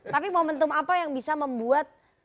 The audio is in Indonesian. tapi momentum apa yang bisa membuat